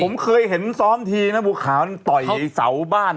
ผมเคยเห็นซ้อมทีนะบัวขาวนี่ต่อยเสาบ้าน